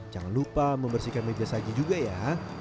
jangan lupa membersihkan meja saji juga ya